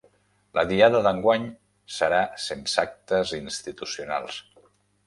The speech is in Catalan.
La Diada d'enguany serà sense actes institucionals